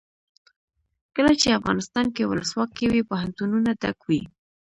کله چې افغانستان کې ولسواکي وي پوهنتونونه ډک وي.